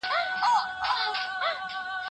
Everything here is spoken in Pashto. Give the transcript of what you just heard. که غلام بخل کړی وای نو نه به ازادیده.